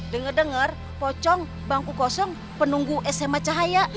dengar dengar pocong bangku kosong penunggu sma cahaya